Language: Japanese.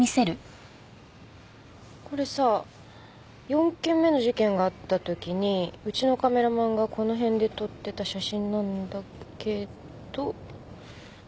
これさ４件目の事件があった時にうちのカメラマンがこの辺で撮ってた写真なんだけど。